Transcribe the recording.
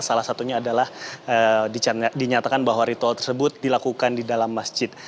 salah satunya adalah dinyatakan bahwa ritual tersebut dilakukan di dalam masjid